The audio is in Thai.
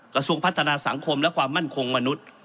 กระทรวงพัฒนาสังคมและความมั่นคงมนุษย์